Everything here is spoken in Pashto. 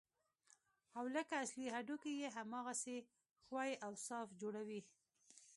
او لکه اصلي هډوکي يې هماغسې ښوى او صاف جوړوي.